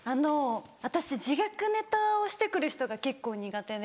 私自虐ネタをして来る人が結構苦手で。